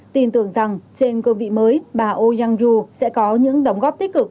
tin tưởng rằng trên cơ vị mới bà ôi yang ru sẽ có những đóng góp tích cực